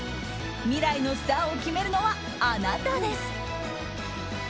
未来のスターを決めるのはあなたです！